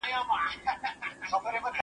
په دې منځ کي شېردل نومي داړه مار وو